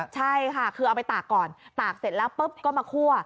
ใช่ค่ะคือเอาไปตากก่อนตากเสร็จแล้วปุ๊บก็มาคั่ว